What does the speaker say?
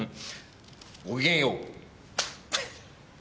ごきげんよう！